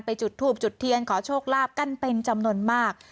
จุดทูบจุดเทียนขอโชคลาภกันเป็นจำนวนมาก